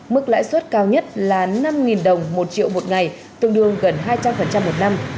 mức lãi suất cao nhất là năm đồng một triệu một ngày tương đương gần hai trăm linh một năm